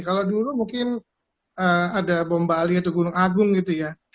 kalau dulu mungkin ada bom bali atau gunung agung gitu ya